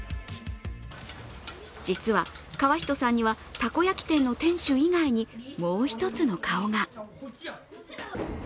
実は、川人さんにはたこ焼き店の店主以外にもう一つの顔が。